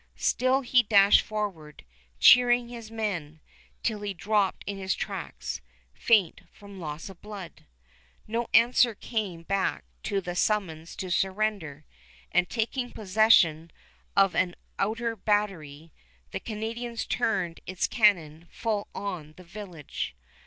Still he dashed forward, cheering his men, till he dropped in his tracks, faint from loss of blood. No answer came back to the summons to surrender, and, taking possession of an outer battery, the Canadians turned its cannon full on the village.